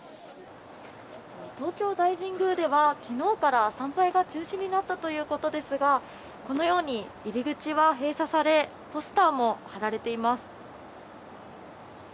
東京大神宮ではきのうから参拝が中止になったということですが、このように入り口は閉鎖され、ポスターも貼られています。